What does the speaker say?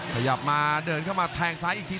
ขยับมาเดินเข้ามาแทงซ้ายอีกที